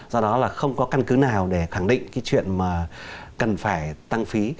do đó là không có căn cứ nào để khẳng định cái chuyện mà cần phải tăng phí